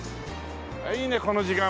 いいねこの時間も。